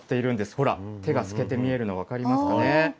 ほら、手が透けて見えるの分かりますかね。